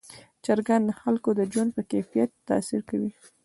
چرګان د خلکو د ژوند په کیفیت تاثیر کوي.